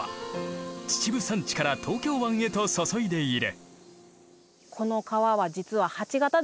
秩父山地から東京湾へと注いでいる。